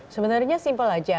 sebenarnya simpel saja